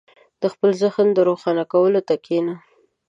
• د خپل ذهن د روښانه کولو ته کښېنه.